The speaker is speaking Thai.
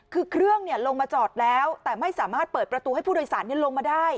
คือเครื่องลงมาจอดแล้วแต่ไม่สามารถเปิดประตูให้ผู้โดยสารลงมาได้